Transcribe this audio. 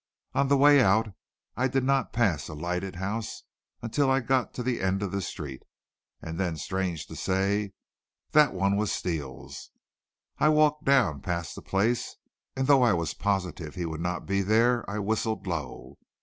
On the way out I did not pass a lighted house until I got to the end of the street; and then strange to say, that one was Steele's. I walked down past the place, and though I was positive he would not be there I whistled low.